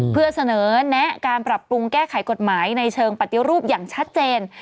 เพื่อเสนอแนะการปรับปรุงแก้ไขกฎหมายในเชิงปฏิรูปอย่างชัดเจน